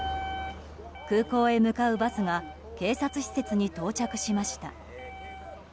空港へ向かうバスが警察施設に到着しました。